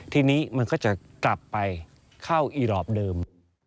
ทีนี้มันก็จะกลับไปเข้าอีรอปเดิม